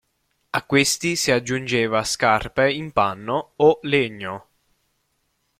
A questi si aggiungeva scarpe in panno o legno.